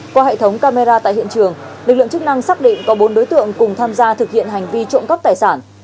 qua hệ thống camera tại hiện trường lực lượng chức năng xác định có bốn đối tượng cùng tham gia thực hiện hành vi trộm cắp tài sản